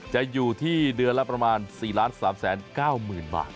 จะอยู่ที่เดือนละประมาณ๔๓๙๐๐๐บาท